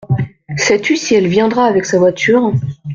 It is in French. Sais-tu si elle viendra avec sa voiture ?…